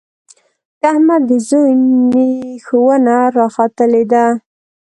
د احمد د زوی نېښونه راختلي دي.